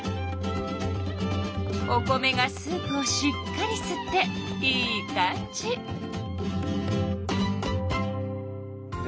お米がスープをしっかりすってイーカんじ！